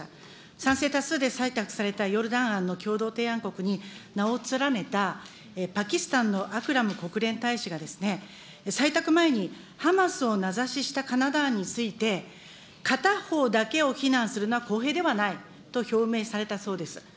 賛成多数で採択されたヨルダン案の共同提案国に名を連ねたパキスタンのアクラム国連大使が、採択前にハマスを名指ししたカナダ案について、片方だけを非難するのは公平ではないと表明されたそうです。